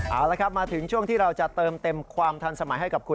เอาละครับมาถึงช่วงที่เราจะเติมเต็มความทันสมัยให้กับคุณ